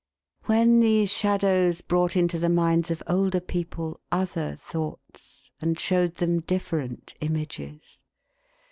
When these shadows brought into the minds of older people, other thoughts, and showed them different images.